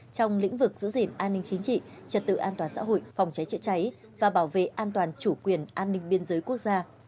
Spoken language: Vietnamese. trong lĩnh vực giữ gìn an ninh chính trị trật tự an toàn xã hội phòng cháy chữa cháy và bảo vệ an toàn chủ quyền an ninh biên giới quốc gia